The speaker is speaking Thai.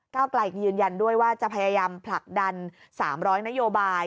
ไกลยืนยันด้วยว่าจะพยายามผลักดัน๓๐๐นโยบาย